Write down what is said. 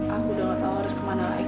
aku udah gak tahu harus ke mana lagi nuk